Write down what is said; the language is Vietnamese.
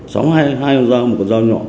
sắm hai con dao một con dao nhọn